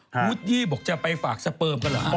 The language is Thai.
หุ้ดยี่บอกจะไปฝากสเปิร์มกันเหรอ